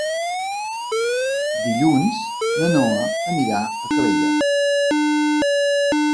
Dilluns na Noa anirà a Calella.